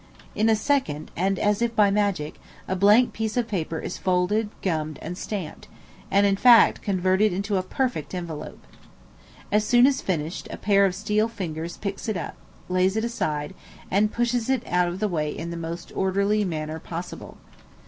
In a second, and as if by magic, a blank piece of paper is folded, gummed, and stamped, and, in fact, converted into a perfect envelope. As soon as finished, a pair of steel fingers picks it up, lays it aside, and pushes it out of the way in the most orderly manner possible.